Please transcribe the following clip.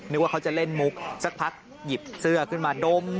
ว่าเขาจะเล่นมุกสักพักหยิบเสื้อขึ้นมาดม